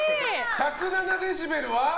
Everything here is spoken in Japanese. １０７デシベルは。